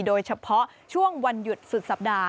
โดยเฉพาะช่วงวันหยุดสุดสัปดาห